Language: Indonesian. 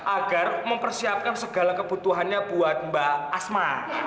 agar mempersiapkan segala kebutuhannya buat mbak asma